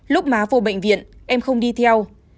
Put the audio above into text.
lúc má vô bệnh viện em không đi theo